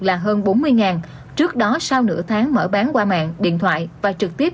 là hơn bốn mươi trước đó sau nửa tháng mở bán qua mạng điện thoại và trực tiếp